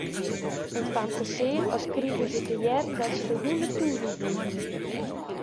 It famke seach as krige se te hearren dat se de hûnderttûzen wûn hie.